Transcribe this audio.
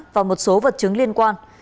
và một số vật chứng liên quan